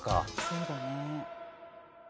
そうだね。